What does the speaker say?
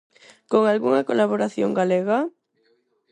Con algunha colaboración galega?